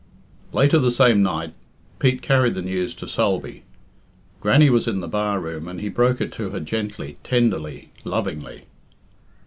Later the same night Pete carried the news to Sulby. Grannie was in the bar room, and he broke it to her gently, tenderly, lovingly.